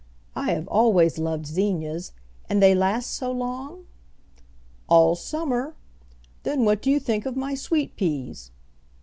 "I have always loved zinnias. And they last so long?" "All summer. Then, what do you think of my sweet peas?"